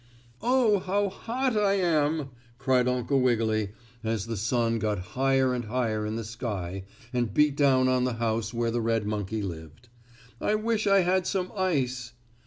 "Oh, how hot I am!" cried Uncle Wiggily, as the sun got higher and higher in the sky and beat down on the house where the red monkey lived. "I wish I had some ice."